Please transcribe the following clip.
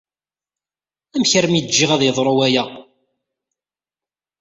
Amek armi i ǧǧiɣ ad d-yeḍru waya?